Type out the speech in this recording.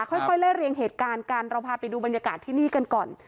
ค่อยไล่เรียงเหตุการณ์กันเราพาไปดูบรรยากาศที่นี่กันก่อน